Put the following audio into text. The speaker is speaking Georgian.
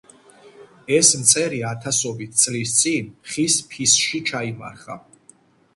ეს მწერი ათასობით წლის წინ ხის ფისში ჩაიმარხა.